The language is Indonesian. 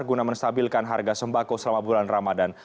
guna menstabilkan harga sembako selama bulan ramadan